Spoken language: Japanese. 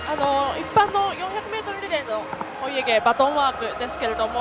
一般の４００ｍリレーのお家芸バトンワークですけど。